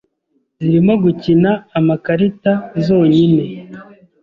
zirimo gukina amakarita zonyine